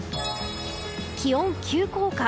気温急降下。